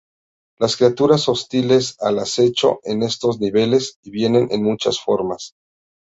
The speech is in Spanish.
Las criaturas hostiles al acecho en estos niveles, y vienen en muchas formas.